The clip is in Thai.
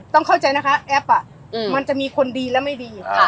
เข้าใจนะคะแอปมันจะมีคนดีและไม่ดี